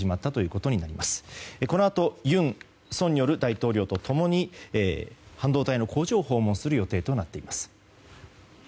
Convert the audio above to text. このあと尹錫悦大統領と共に半導体の工場を訪問する予定となっています。